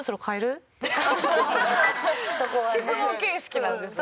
質問形式なんですね。